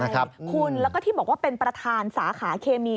ใช่คุณแล้วก็ที่บอกว่าเป็นประธานสาขาเคมี